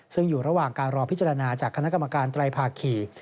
ซึ่งอยู่ระหว่างการรอพิจารณาจากคณะกรรมการไตรภาคี